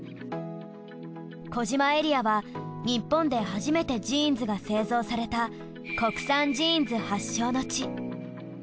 児島エリアは日本で初めてジーンズが製造された国産ジーンズ発祥の地。